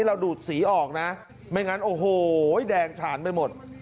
ดูดสีออกนะไม่งั้นโอ้โหแดงฉานไปหมด